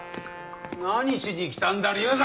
何しに来たんだ竜崎！